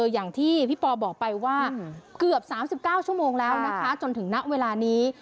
อย่างที่พี่ปอบอกไปว่าเกือบ๓๙ชั่วโมงแล้วนะคะจนถึงณเวลานี้